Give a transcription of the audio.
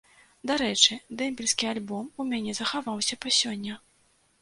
Дарэчы, дэмбельскі альбом у мяне захаваўся па сёння.